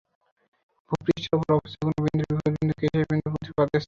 ভূপৃষ্ঠের ওপর অবস্থিত কোনো বিন্দুর বিপরীত বিন্দুকে সেই বিন্দুর প্রতিপাদ স্থান বলে।